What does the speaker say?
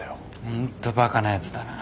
ホントバカなやつだな。